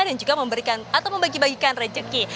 dan juga memberikan atau membagi bagikan rejeki